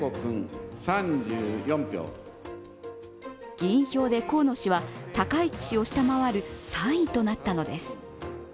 議員票で河野氏は高市氏を下回る３位となったのです。